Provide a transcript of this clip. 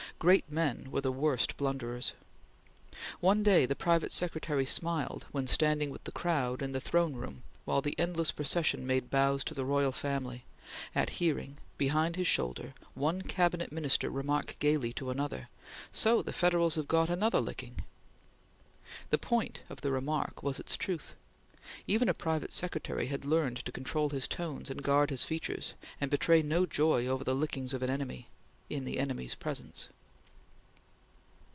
Great men were the worst blunderers. One day the private secretary smiled, when standing with the crowd in the throne room while the endless procession made bows to the royal family, at hearing, behind his shoulder, one Cabinet Minister remark gaily to another: "So the Federals have got another licking!" The point of the remark was its truth. Even a private secretary had learned to control his tones and guard his features and betray no joy over the "lickings" of an enemy in the enemy's presence.